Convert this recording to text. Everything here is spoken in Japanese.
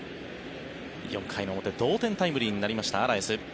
４回の表、同点タイムリーになりました、アラエス。